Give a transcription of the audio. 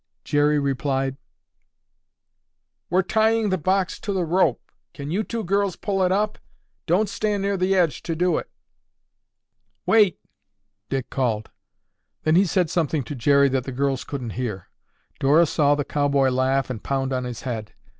Jerry replied, "We're tying the box to the rope. Can you two girls pull it up? Don't stand near the edge to do it." "Wait!" Dick called. Then he said something to Jerry that the girls couldn't hear. Dora saw the cowboy laugh and pound on his head.